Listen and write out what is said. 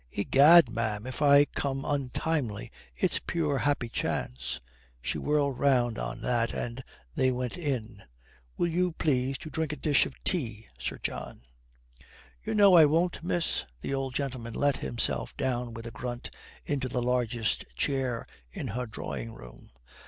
"Egad, ma'am, if I come untimely it's pure happy chance." She whirled round on that and they went in. "Will you please to drink a dish of tea, Sir John?" "You know I won't, miss." The old gentleman let himself down with a grunt into the largest chair in her drawing room.